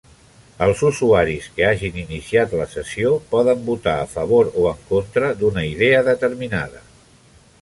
Els usuaris que hagin iniciat la sessió poden votar "a favor" o "en contra" d'una idea determinada.